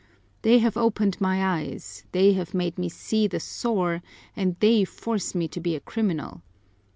They have opened my eyes, they have made me see the sore, and they force me to be a criminal!